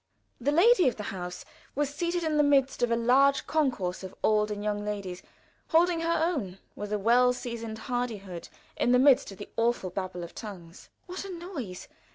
The lady of the house was seated in the midst of a large concourse of old and young ladies, holding her own with a well seasoned hardihood in the midst of the awful Babel of tongues. What a noise!